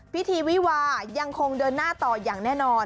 พิธีวิวายังคงเดินหน้าต่ออย่างแน่นอน